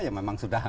ya memang sudah